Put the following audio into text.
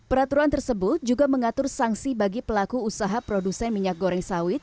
peraturan tersebut juga mengatur sanksi bagi pelaku usaha produsen minyak goreng sawit